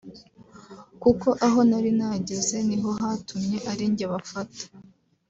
kuko aho nari nageze niho hatumye ari njye bafata